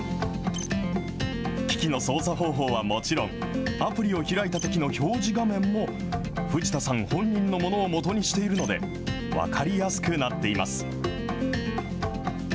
機器の操作方法はもちろん、アプリを開いたときの表示画面も藤田さん本人のものをもとにしているので、分かりやすくなっています。